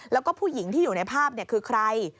แล้วก็ผู้หญิงที่อยู่ในภาพคือใคร